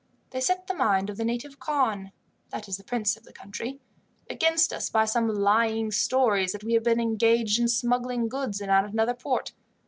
They set the mind of the native khan that is the prince of the country against us by some lying stories that we had been engaged in smuggling goods in at another port.